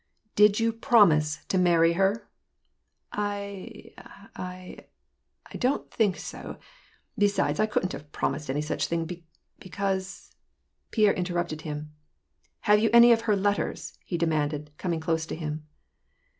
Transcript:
" Did you promise to marry her ?" "I — I — I don't think so ; besides, I couldn't have prom ised any such thing, be — because "— Pierre interrupted him. " Have you any of her letters ?'* he demanded, coming close to him.